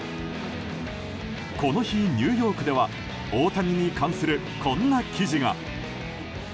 この日ニューヨークでは大谷に関するこんな記事が。